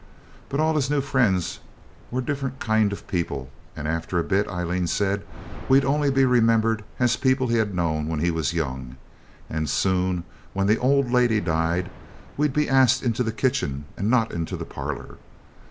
But all his new friends were different kind of people, and after a bit, Aileen said, we'd only be remembered as people he'd known when he was young, and soon, when the old lady died, we'd be asked into the kitchen and not into the parlour.